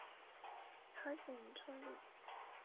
朝鲜葱饼。